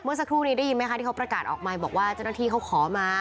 สักครู่นี้ได้ยินไหมคะที่เขาประกาศออกมาบอกว่าเจ้าหน้าที่เขาขอมา